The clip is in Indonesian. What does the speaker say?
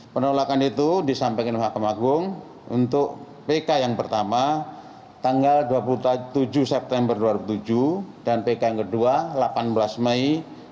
penolakan itu disampaikan oleh mahkamah agung untuk pk yang pertama tanggal dua puluh tujuh september dua ribu tujuh dan pk yang kedua delapan belas mei dua ribu dua puluh